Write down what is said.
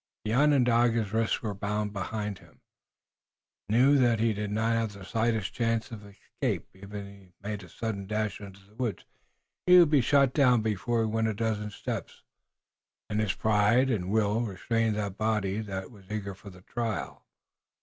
The Onondaga, wrists bound behind him, knew that he did not have the slightest chance of escape, even if he made a sudden dash into the woods. He would be shot down before he went a dozen steps, and his pride and will restrained the body that was eager for the trial.